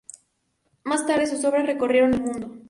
Más tarde sus obras recorrieron el mundo.